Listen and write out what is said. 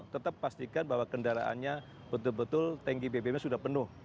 tetap pastikan bahwa kendaraannya betul betul tanki bbm sudah penuh